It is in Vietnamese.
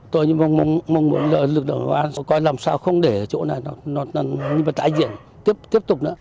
tôi mong muốn được đồng bán coi làm sao không để chỗ này nó lại diễn tiếp tục nữa